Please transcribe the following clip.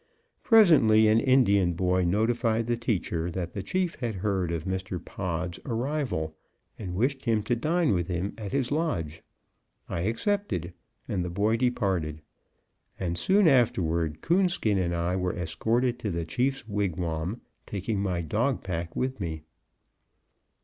Presently an Indian boy notified the teacher that the chief had heard of Mr. Pod's arrival, and wished him to dine with him at his lodge. I accepted, and the boy departed; and soon afterward Coonskin and I were escorted to the chief's wigwam, taking my dog pack with me.